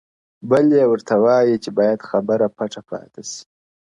بل يې ورته وايي چي بايد خبره پټه پاته سي,